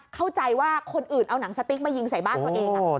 เข้าใจว่าคนอื่นเอาหนังสติ๊กมายิงใส่บ้านตัวเอง